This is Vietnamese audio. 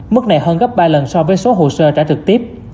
mức này hơn gấp ba lần so với số hồ sơ trả trực tiếp